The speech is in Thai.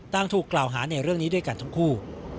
ถูกกล่าวหาในเรื่องนี้ด้วยกันทั้งคู่